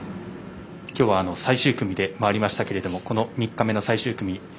きょうは最終組で回りましたけれども３日目の最終組